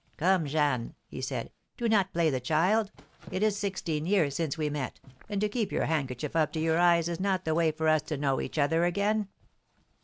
"Come, Jeanne," he said, "do not play the child. It is sixteen years since we met, and to keep your handkerchief up to your eyes is not the way for us to know each other again."